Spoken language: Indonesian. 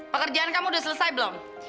pekerjaan kamu sudah selesai belum